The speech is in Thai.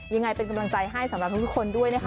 ยังไงเป็นกำลังใจให้สำหรับทุกคนด้วยนะคะ